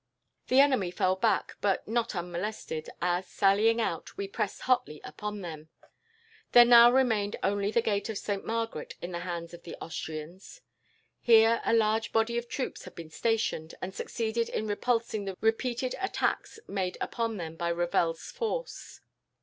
"The enemy fell back, but not unmolested, as, sallying out, we pressed hotly upon them. There now remained only the gate of Saint Margaret in the hands of the Austrians. Here a large body of troops had been stationed, and succeeded in repulsing the repeated attacks made upon them by Revel's force.